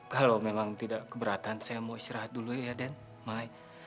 kalau memang tidak keberatan saya mau istirahat dulu ya den my